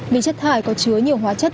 vì chất thải có chứa nhiều hóa chất